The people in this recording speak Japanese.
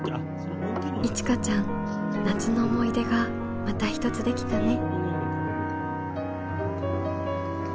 いちかちゃん夏の思い出がまた一つできたね。